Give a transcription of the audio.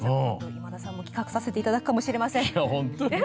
今田さんも企画させていただくかもしれません。